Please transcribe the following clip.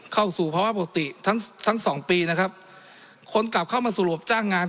เข้าสู่ภาวะปกติทั้งทั้งสองปีนะครับคนกลับเข้ามาสู่ระบบจ้างงาน